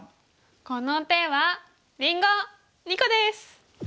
この手はりんご２個です！